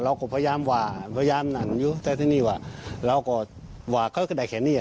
เดี๋ยวไปเมื่อคืนเนี่ย